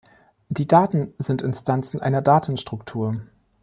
Die Daten sind Instanzen einer Datenstruktur.